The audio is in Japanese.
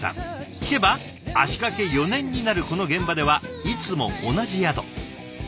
聞けば足かけ４年になるこの現場ではいつも同じ宿。